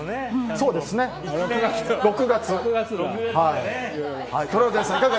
そうですね、６月という。